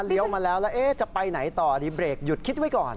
มาแล้วแล้วจะไปไหนต่อดีเบรกหยุดคิดไว้ก่อน